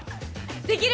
できる！